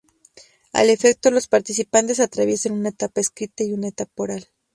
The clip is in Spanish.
Al efecto, los participantes atraviesan una etapa escrita y una etapa oral.